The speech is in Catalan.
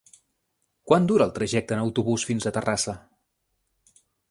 Quant dura el trajecte en autobús fins a Terrassa?